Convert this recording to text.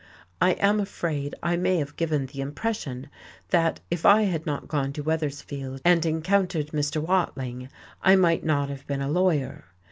I am afraid I may have given the impression that if I had not gone to Weathersfield and encountered Mr. Watling I might not have been a lawyer.